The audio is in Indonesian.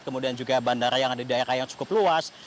kemudian juga bandara yang ada di daerah yang cukup luas